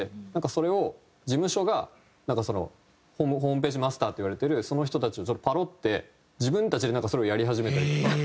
それを事務所がなんかそのホームページマスターっていわれているその人たちをちょっとパロって自分たちでそれをやり始めたりとか。